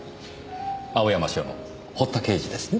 青山署の堀田刑事ですね。